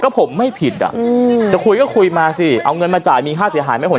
ถ้าอยากพิวร์ไม่ผิดอ่ะจะคุยก็คุยมาสิเอาเงินมาจ่ายมีค่าเสียหายไหมครับผม